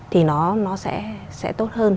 thì nó sẽ tốt hơn